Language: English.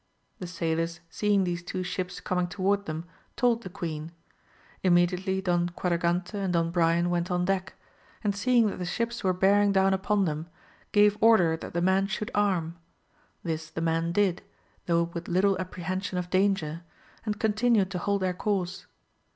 The sailors seeing these two ships coming toward them told the queen j immediately Don Quadragante AMADIS OF OJUL 125 «nd Don Brian went on deck, and seeing that the ships were bearing down upon them, gave order that the men should arm ; this the men did, though with little apprehension of danger, and continued to hold their coarse.